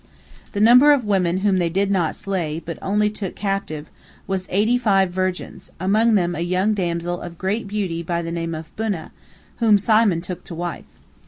The number of women whom they did not slay, but only took captive, was eighty five virgins, among them a young damsel of great beauty by the name of Bunah, whom Simon took to wife.